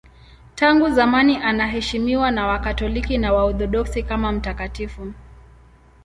Tangu zamani anaheshimiwa na Wakatoliki na Waorthodoksi kama mtakatifu.